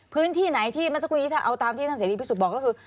พื้นที่ไหนที่เมื่อสักครู่นี้ถ้าเอาตามที่ท่านเสรีพิสุทธิบอกก็คือ